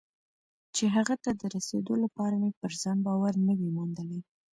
چې هغه ته د رسېدو لپاره مې پر ځان باور نه وي موندلی.